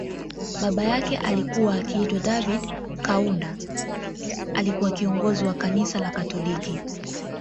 Baba yake alikuwa akiitwa David Kaunda alikuwa kiongozi Wa kanisa la katoliki